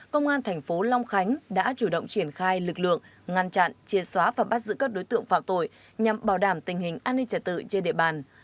công an thành phố long khánh đã chủ động triển khai lực lượng ngăn chặn chia xóa và bắt giữ các đối tượng phạm tội nhằm bảo đảm tình hình an ninh trật tự trên địa bàn